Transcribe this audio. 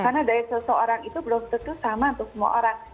karena diet seseorang itu belum tentu sama untuk semua orang